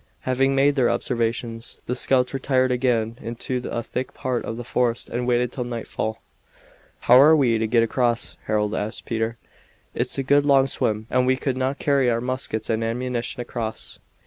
Having made their observations, the scouts retired again into a thick part of the forest and waited till nightfall. "How are we to get across?" Harold asked Peter. "It's a good long swim, and we could not carry our muskets and ammunition across."